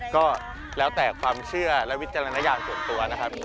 ก็แล้วแต่ความเชื่อและวิจารณญาณส่วนตัวนะครับ